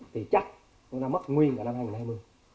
thì chắc nó đã mất nguyên vào năm hai nghìn hai mươi